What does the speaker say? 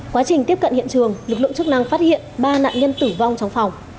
quá trình tiếp cận hiện trường lực lượng chức năng phát hiện ba nạn nhân tử vong trong phòng